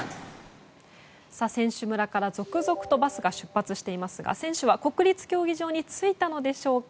選手村から続々とバスが出発していますが選手は国立競技場に着いたのでしょうか。